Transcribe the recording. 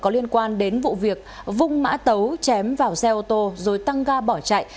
có liên quan đến vụ việc vung mã tấu chém vào xe ô tô rồi tăng ga bỏ chạy